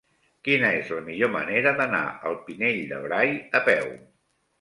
Quina és la millor manera d'anar al Pinell de Brai a peu?